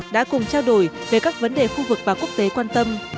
đã cùng trao đổi về các vấn đề khu vực và quốc tế quan tâm